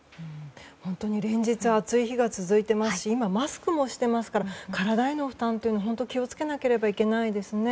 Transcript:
本当に連日暑い日が続いていますし今、マスクもしてますから体への負担というのは、本当に気を付けないといけませんね。